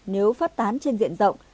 nếu phát tán trên diện rộng